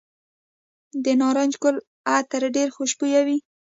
د نارنج ګل عطر ډیر خوشبويه وي.